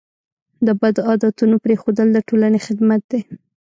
د بد عادتونو پرېښودل د ټولنې خدمت دی.